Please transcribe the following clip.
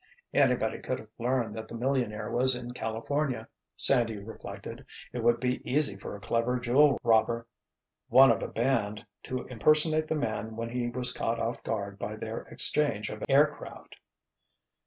Anybody could have learned that the millionaire was in California, Sandy reflected; it would be easy for a clever jewel robber, one of a band, to impersonate the man when he was caught off guard by their exchange of aircraft.